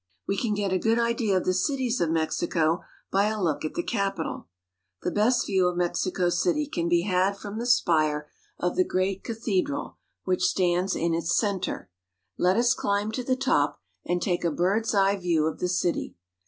We can get a good idea of the cities of Mexico by a look at the capital. The best view of Mexico city can be had from the spire of the great cathedral which stands in its center. Let us climb to the top, and take a bird's eye view of the city.